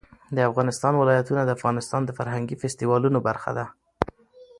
د افغانستان ولايتونه د افغانستان د فرهنګي فستیوالونو برخه ده.